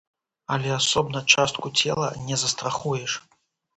Але асобна частку цела не застрахуеш.